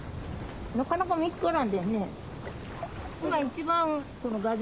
なかなか見つからんでね。